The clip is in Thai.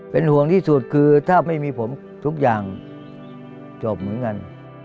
เป็นห่วงที่สุดคือถ้าไม่มีผมทุกอย่างจบเหมือนกัน